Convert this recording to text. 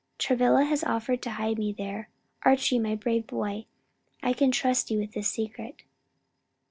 Travilla has offered to hide me there. Archie, my brave boy, I can trust you with this secret."